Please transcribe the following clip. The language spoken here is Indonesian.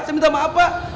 saya minta maaf pak